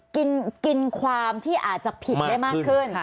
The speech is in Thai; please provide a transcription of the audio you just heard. กินความที่อาจจะผิดได้มากขึ้น